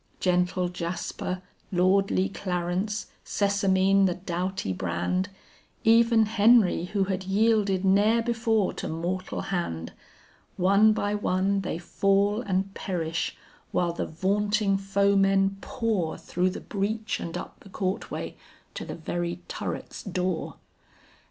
Gentle Jaspar, lordly Clarence, Sessamine the doughty brand, Even Henri who had yielded ne'er before to mortal hand; One by one they fall and perish, while the vaunting foemen pour Through the breach and up the courtway to the very turret's door.